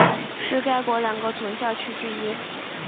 是该国两个总教区之一。